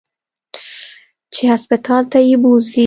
چې هسپتال ته يې بوځي.